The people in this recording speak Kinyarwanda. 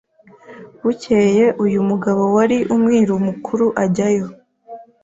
bukeye uyu mugabo wari umwiru mukuru ajyayo